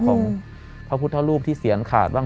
ของพระพุทธรูปที่เสียนขาดบ้าง